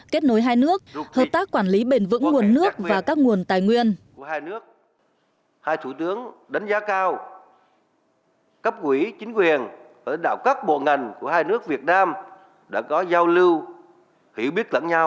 kết nối hai nước hợp tác quản lý bền vững nguồn nước và các nguồn tài nguyên